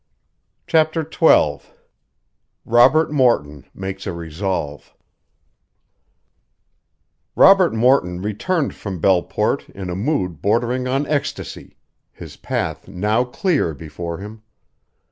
CHAPTER XII ROBERT MORTON MAKES A RESOLVE Robert Morton returned from Belleport in a mood bordering on ecstasy, his path now clear before him.